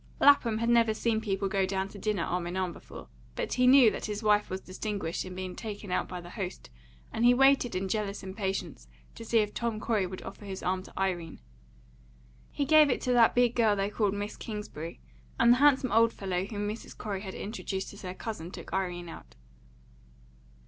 Lapham had never seen people go down to dinner arm in arm before, but he knew that his wife was distinguished in being taken out by the host, and he waited in jealous impatience to see if Tom Corey would offer his arm to Irene. He gave it to that big girl they called Miss Kingsbury, and the handsome old fellow whom Mrs. Corey had introduced as her cousin took Irene out.